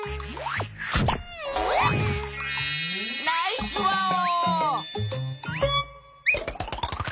ナイスワオ！